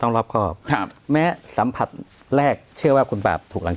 รอบครอบครับแม้สัมผัสแรกเชื่อว่าคุณปราบถูกหลัง